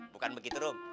bukan begitu rum